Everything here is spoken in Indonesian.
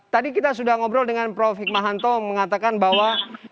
tadi kita sudah ngobrol dengan prof hikmahanto mengatakan bahwa